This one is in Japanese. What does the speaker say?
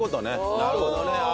なるほどね。ああ！